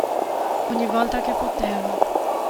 Ogni volta che poteva.